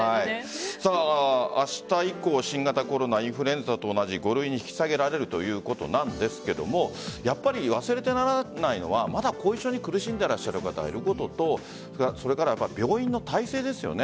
明日以降新型コロナインフルエンザと同じ５類に引き下げられるということなんですがやっぱり忘れてはならないのは、まだ後遺症に苦しんでいらっしゃる方がいることとそれから病院の体制ですよね。